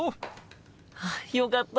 あっよかった！